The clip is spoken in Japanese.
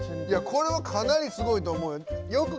これはかなりすごいと思うよ。